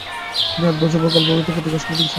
তিনি আট বছর কাল গল্পভারতী পত্রিকার সম্পাদক ছিলেন।